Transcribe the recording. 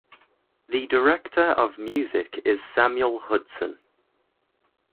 The Director of Music is Samuel Hudson.